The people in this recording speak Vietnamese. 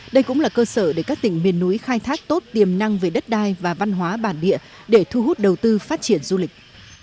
đây cũng là cơ sở để các tỉnh miền núi khai thác tốt tiềm năng về đất đai và văn hóa bản địa để thu hút đầu tư phát triển du lịch